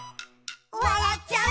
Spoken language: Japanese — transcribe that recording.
「わらっちゃう」